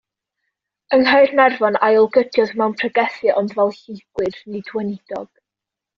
Yng Nghaernarfon ail gydiodd mewn pregethu ond fel lleygwr nid weinidog.